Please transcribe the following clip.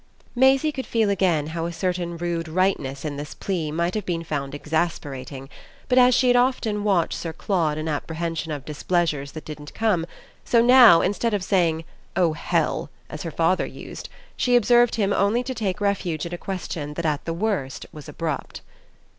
Maisie could feel again how a certain rude rightness in this plea might have been found exasperating; but as she had often watched Sir Claude in apprehension of displeasures that didn't come, so now, instead of saying "Oh hell!" as her father used, she observed him only to take refuge in a question that at the worst was abrupt.